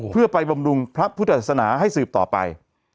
เพื่อไปบำรุงพระพุทธศาสนาให้สืบต่อไป